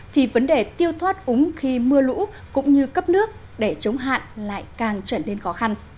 thì vấn đề tiêu thoát úng khi mưa lũ cũng như cấp nước để chống hạn lại càng trở nên khó khăn